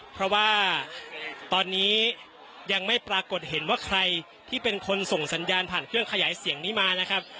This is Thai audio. เพราะว่าตอนนี้ยังไม่ปรากฏเห็นว่าใครที่เป็นคนส่งสัญญาณผ่านเครื่องขยายเสียงนี้มานะครับ